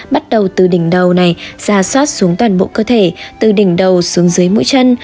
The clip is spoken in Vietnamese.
bắt đầu từ đỉnh đầu này ra soát xuống toàn bộ cơ thể từ đỉnh đầu xuống dưới mũi chân